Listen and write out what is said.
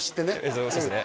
そうっすね